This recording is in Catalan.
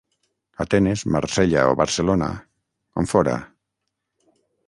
Atenes, Marsella o Barcelona, on fóra.